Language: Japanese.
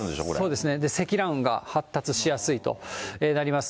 そうですね、で、積乱雲が発達しやすいとなります。